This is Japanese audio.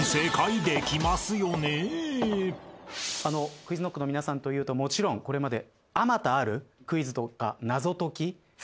ＱｕｉｚＫｎｏｃｋの皆さんというともちろんこれまで。